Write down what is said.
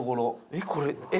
えっこれえ？